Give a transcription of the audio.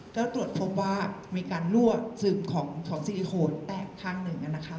แล้วตรวจพบว่ามีการลั่วซึมของซีลิโค้ดแตกข้างหนึ่ง